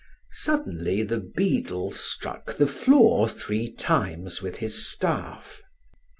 Suddenly the beadle struck the floor three times with his staff.